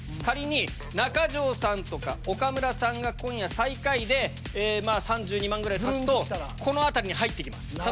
仮に中条さんとか岡村さんが今夜最下位で３２万ぐらい足すとこの辺りに入って来ます。